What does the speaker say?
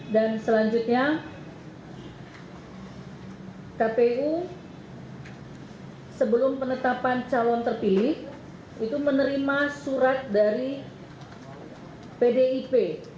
dan selanjutnya kpu sebelum penetapan calon terpilih itu menerima surat dari pdip